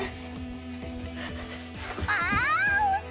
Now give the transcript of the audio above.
あおしい！